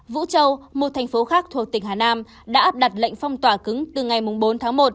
vũ châu một thành phố khác thuộc tỉnh hà nam đã áp đặt lệnh phong tỏa cứng từ ngày bốn tháng một